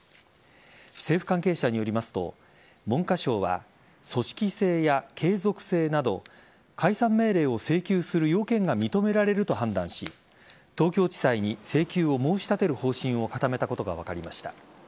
政府関係者によりますと文科省は組織性や継続性など解散命令を請求する要件が認められると判断し東京地裁に請求を申し立てる方針を固めたことが分かりました。